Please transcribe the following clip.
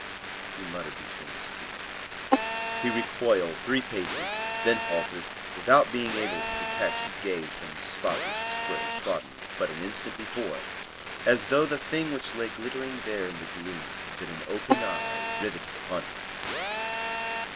he muttered between his teeth. He recoiled three paces, then halted, without being able to detach his gaze from the spot which his foot had trodden but an instant before, as though the thing which lay glittering there in the gloom had been an open eye riveted upon him.